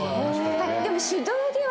でも。